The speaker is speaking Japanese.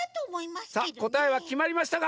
さあこたえはきまりましたか？